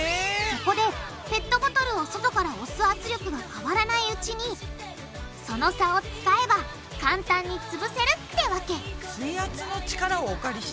そこでペットボトルを外から押す圧力は変わらないうちにその差を使えば簡単につぶせるってわけ水圧の力をお借りしたのね。